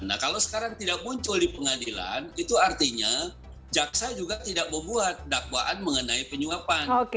nah kalau sekarang tidak muncul di pengadilan itu artinya jaksa juga tidak membuat dakwaan mengenai penyuapan